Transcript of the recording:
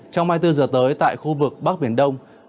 trong hai mươi bốn giờ tới tại khu vực bắc biển đông